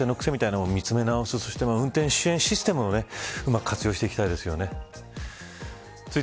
普段の自分の運転のくせみたいなものを見つめ直して運転のシステムをうまく活用していきたいですね。